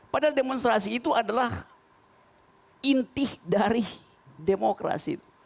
padahal demonstrasi itu adalah inti dari demokrasi